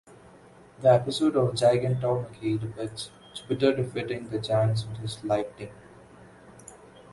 The episode of Gigantomachy depicts Jupiter defeating the Giants with his lighting.